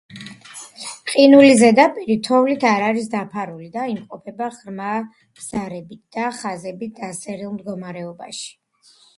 ყინულის ზედაპირი თოვლით არ არის დაფარული და იმყოფება „ღრმა ბზარებით და ხაზებით დასერილ“ მდგომარეობაში.